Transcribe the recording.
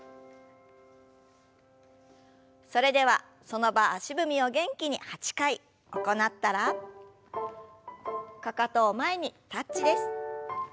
それではその場足踏みを元気に８回行ったらかかとを前にタッチです。